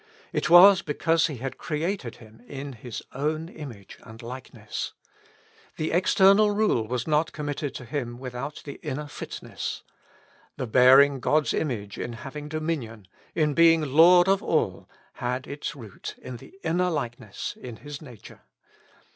It was because he had created him in his own iynage and likeness. The external rule was not committed to him without the inner fitness : the bearing God's image in having dominion, in being lo 145 With Christ in the School cf Prayer. lord of all, had its root in the inner likeness, in his nature.